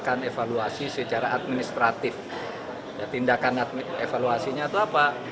akan evaluasi secara administratif tindakan evaluasinya itu apa